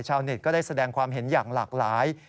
เน็ตก็ได้แสดงความเห็นอย่างหลากหลาย